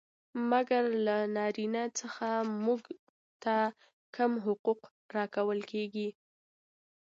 مګر له نارينه څخه موږ ته کم حقوق را کول کيږي.